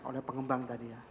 oleh pengembang tadi ya